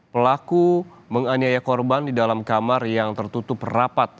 pelaku menganiaya korban di dalam kamar yang tertutup rapat